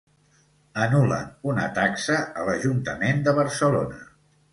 Anul·len una taxa a l'Ajuntament de Barcelona